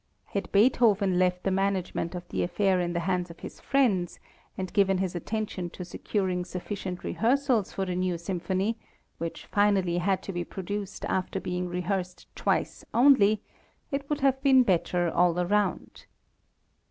Had Beethoven left the management of the affair in the hands of his friends, and given his attention to securing sufficient rehearsals for the new Symphony, which finally had to be produced after being rehearsed twice only, it would have been better all around.